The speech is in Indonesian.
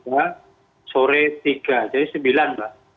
dan pada saat kejadian